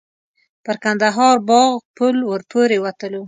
پر کندهار باغ پل ور پورې وتلو.